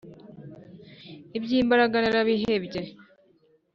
Iby'imbaraga narabihebye.